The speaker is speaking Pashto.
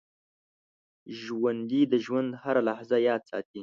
ژوندي د ژوند هره لحظه یاد ساتي